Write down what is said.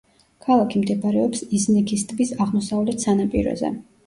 ქალაქი მდებარეობს იზნიქის ტბის აღმოსავლეთ სანაპიროზე.